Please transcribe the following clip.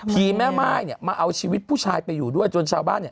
ผีแม่ม่ายเนี่ยมาเอาชีวิตผู้ชายไปอยู่ด้วย